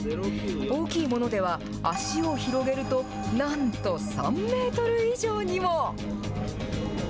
大きいものでは足を広げるとなんと３メートル以上にも。